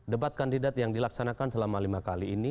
debat kandidat yang dilaksanakan selama lima kali ini